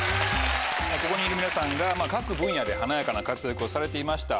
ここにいる皆さんが各分野で華やかな活躍をされていました。